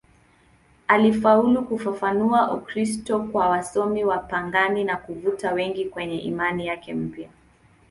Alifaulu kufafanua Ukristo kwa wasomi wapagani na kuvuta wengi kwenye imani yake mpya.